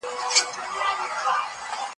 ټولنپوهان د ټولنې ډاکټران دي.